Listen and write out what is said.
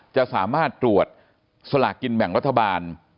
จะสามารถตรวจสลากกินแบ่งรัฐบาล